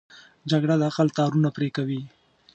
جګړه د عقل تارونه پرې کوي